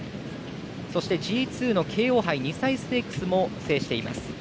そしてＧ２の京王杯２歳ステークスも制しています。